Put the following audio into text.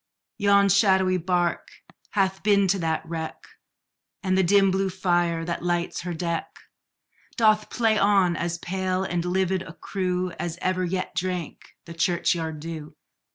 Yon shadowy bark hath been to that wreck, And the dim blue fire, that lights her deck, Doth play on as pale and livid a crew, As ever yet drank the churchyard dew.